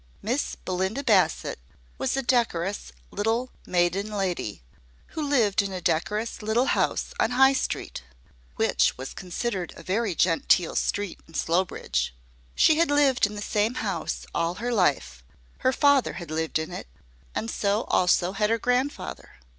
Miss Belinda Bassett was a decorous little maiden lady, who lived in a decorous little house on High Street (which was considered a very genteel street in Slowbridge). She had lived in the same house all her life, her father had lived in it, and so also had her grandfather.